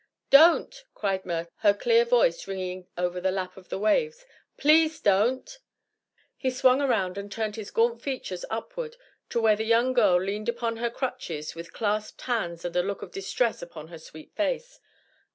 "Don't!" cried Myrtle, her clear voice ringing over the lap of the waves; "please don't!" He swung around and turned his gaunt features upward to where the young girl leaned upon her crutches, with clasped hands and a look of distress upon her sweet face.